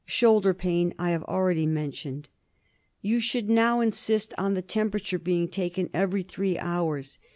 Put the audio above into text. Shoulder pain I have already mentioned. You should now insist on the temperature being taken every three hours.